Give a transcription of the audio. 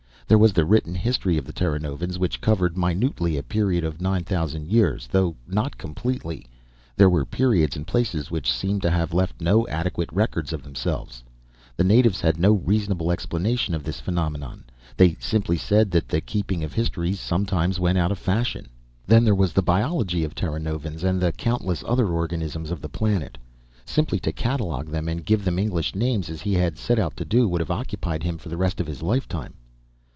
There was the written history of the Terranovans, which covered minutely a period of nine thousand years though not completely; there were periods and places which seemed to have left no adequate records of themselves. The natives had no reasonable explanation of this phenomenon; they simply said that the keeping of histories sometimes went out of fashion. Then there was the biology of the Terranovans and the countless other organisms of the planet simply to catalogue them and give them English names, as he had set out to do, would have occupied him the rest of his lifetime.